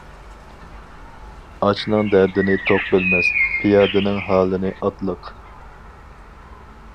ئاچنىڭ دەردىنى توق بىلمەس، پىيادىنىڭ ھالىنى ئاتلىق.